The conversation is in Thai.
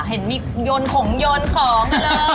เห็นมียนของของ